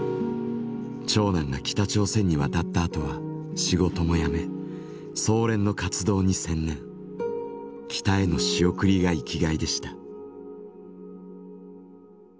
長男が北朝鮮に渡ったあとは仕事もやめ総連の活動に専念北への仕送りが生きがいでした。